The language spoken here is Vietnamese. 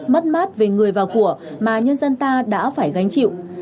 mất mát về người và của mà nhân dân ta đã phải gánh chịu